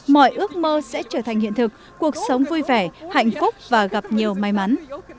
mọi ước mơ sẽ trở thành hiện thực cuộc sống vui vẻ hạnh phúc và gặp nhiều may mắn